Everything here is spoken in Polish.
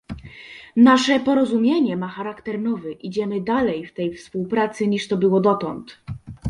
Nasze porozumienie ma charakter nowy, idziemy dalej w tej współpracy niż to było dotąd